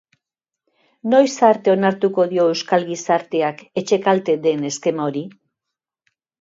Noiz arte onartuko dio euskal gizarteak etxekalte den eskema hori?